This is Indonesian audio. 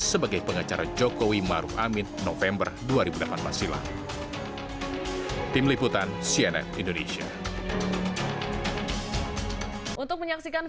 sebagai pengacara jokowi maruf amin november dua ribu delapan belas silam